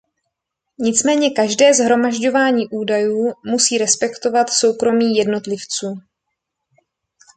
Nicméně každé shromažďování údajů musí respektovat soukromí jednotlivců.